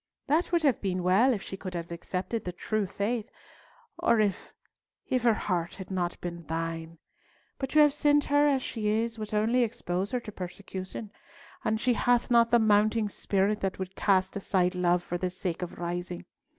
That would have been well if she could have accepted the true faith, or if—if her heart had not been thine; but to have sent her as she is would only expose her to persecution, and she hath not the mounting spirit that would cast aside love for the sake of rising.